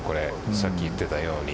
さっき言ってたように。